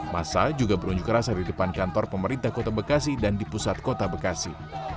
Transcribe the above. masa juga berunjuk rasa di depan kantor pemerintah kota bekasi dan di pusat kota bekasi